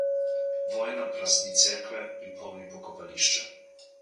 Vojna prazni cerkve in polni pokopališča.